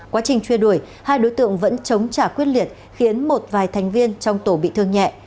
quá trình truy đuổi hai đối tượng vẫn chống trả quyết liệt khiến một vài thành viên trong tổ bị thương nhẹ